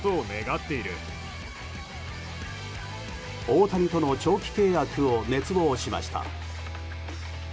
大谷との長期契約を熱望しました。